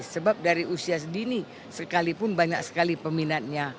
sebab dari usia sedini sekalipun banyak sekali peminatnya